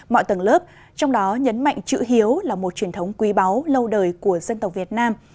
mọi tầng lớp trong đó nhấn mạnh chữ hiếu là một truyền thống quý báu lâu đời của dân tộc việt nam